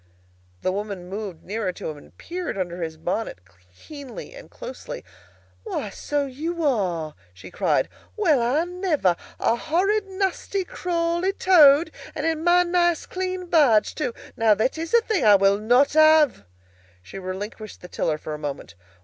The woman moved nearer to him and peered under his bonnet keenly and closely. "Why, so you are!" she cried. "Well, I never! A horrid, nasty, crawly Toad! And in my nice clean barge, too! Now that is a thing that I will not have." She relinquished the tiller for a moment.